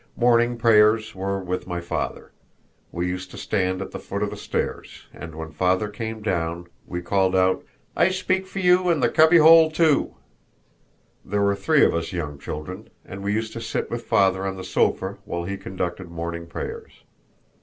Morning prayers were with my father. We used to stand at the foot of the stairs, and when father came down we called out, "I speak for you and the cubby hole too!" There were three of us young children, and we used to sit with father on the sofa while he conducted morning prayers.